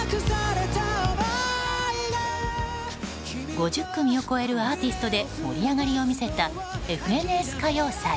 ５０組を超えるアーティストで盛り上がりを見せた「ＦＮＳ歌謡祭」。